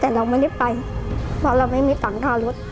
แต่เราไม่ได้ไปเพราะเราไม่มีตังค์ค่ารถ